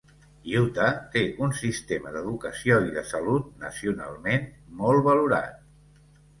Utah té un sistema d'educació i de salut nacionalment molt valorat.